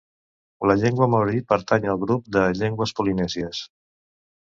La llengua maori pertany al grup de llengües polinèsies.